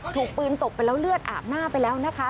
ถูกปืนตกไปแล้วเลือดอาบหน้าไปแล้วนะคะ